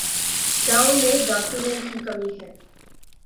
گاؤں میں ڈاکٹروں کی کمی ہے